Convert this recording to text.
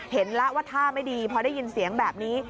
เห็นแล้วว่าท่าไม่ดีพอได้ยินเสียงแบบนี้